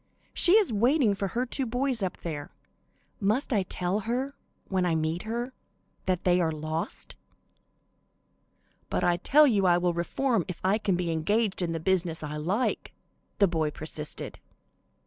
She is waiting for her two boys up there. Must I tell her, when I meet her, that they are lost?" "But I tell you I will reform if I can be engaged in the business I like," the boy persisted.